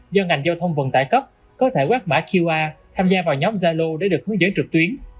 do ngành giao thông vận tải cấp có thể quét mã qr tham gia vào nhóm zalo để được hướng dẫn trực tuyến